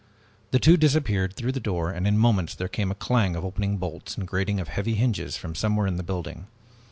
The two disappeared through the door, and in moments there came a clang of opening bolts and grating of heavy hinges from somewhere in the building.